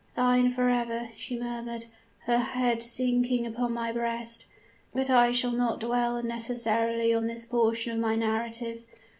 "'Thine forever!' she murmured, her head sinking upon my breast. "But I shall not dwell unnecessarily on this portion of my narrative.